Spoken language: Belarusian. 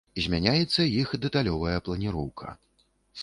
Змяняецца іх дэталёвая планіроўка.